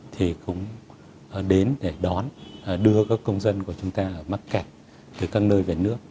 thì cũng đến để đón đưa các công dân của chúng ta ở mắc kẹt từ các nơi về nước